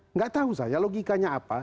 nggak tahu saya logikanya apa